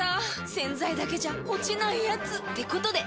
⁉洗剤だけじゃ落ちないヤツってことで。